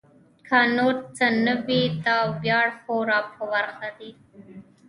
که نور څه نه وي دا ویاړ خو را په برخه دی.